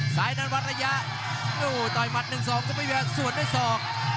สายด้านวัดระยะโอ้โหต่อยมัดหนึ่งสองซุปเปอร์เบียร์ส่วนด้วยสอง